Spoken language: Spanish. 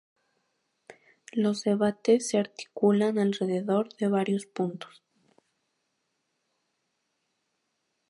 Los debates se articulan alrededor de varios puntos.